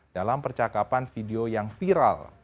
dalam percakapan video yang viral